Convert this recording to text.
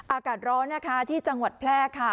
อากาศร้อนนะคะที่จังหวัดแพร่ค่ะ